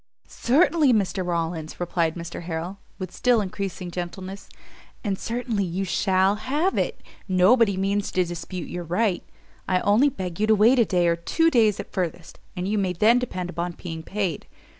"Certainly, Mr Rawlins," replied Mr Harrel, with still increasing gentleness, "and certainly you shall have it: nobody means to dispute your right; I only beg you to wait a day, or two days at furthest, and you may then depend upon being paid.